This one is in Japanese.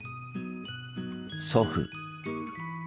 祖父。